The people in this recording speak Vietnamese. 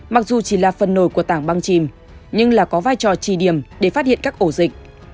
mặc dù chỉ là phần nổi của tảng băng chìm nhưng là có vai trò trì điểm để phát hiện các ổ dịch